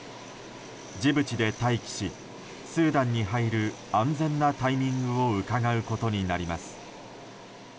ジブチで待機し、スーダンに入る安全なタイミングをうかがうことになります。